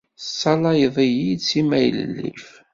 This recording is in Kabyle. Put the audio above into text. Tessalayeḍ-iyi-d si maylellif.